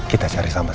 kita cari sama